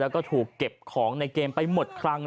แล้วก็ถูกเก็บของในเกมไปหมดครั้ง